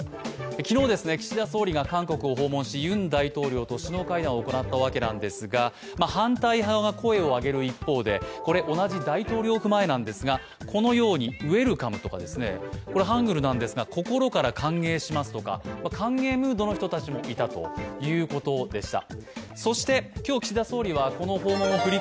昨日岸田総理が韓国を訪問し、ユン大統領と首脳会談を行ったわけなんですが反対派が声を上げる一方で、これ同じ大統領府前なんですが、このようにウェルカムとか、ハングルなんですが、心から歓迎しますとか歓迎ムードの人たちもいたということでした。